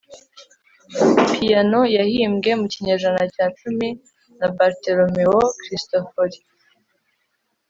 piyano yahimbwe mu kinyejana cya cumi na bartolomeo cristofori